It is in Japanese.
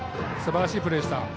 すばらしいプレーでした。